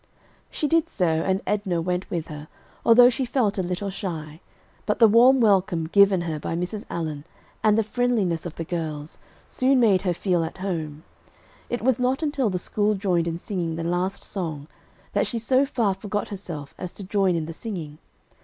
She did so, and Edna went with her, although she felt a little shy, but the warm welcome given her by Mrs. Allen, and the friendliness of the girls, soon made her feel at home. It was not until the school joined in singing the last song, that she so far forgot herself as to join in the singing.